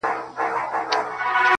نه سازونه مي مطلب د نيمي شپې دي-